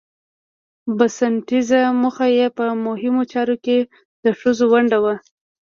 بنسټيزه موخه يې په مهمو چارو کې د ښځو ونډه وه